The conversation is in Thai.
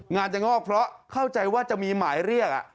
งานจะงอกเพราะเข้าใจว่าจะมีหมายเรียก